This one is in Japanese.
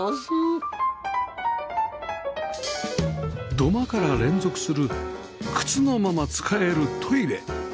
土間から連続する靴のまま使えるトイレ